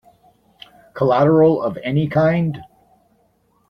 Collateral of any kind?